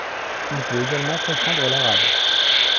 Il peut également comprendre l'arabe.